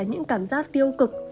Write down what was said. chỉ là những cảm giác tiêu cực